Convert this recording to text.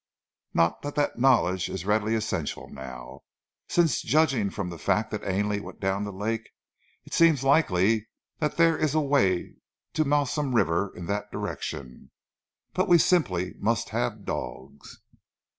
Not that the knowledge is really essential now, since judging from the fact that Ainley went down the lake it seems likely that there is a way to Malsun river in that direction. But we simply must have dogs."